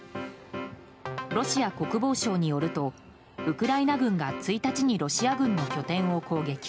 ロシア国防省によるとウクライナ軍が、１日にロシア軍の拠点を攻撃。